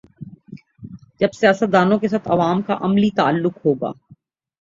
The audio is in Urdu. جب سیاست دانوں کے ساتھ عوام کا عملی تعلق ہو گا۔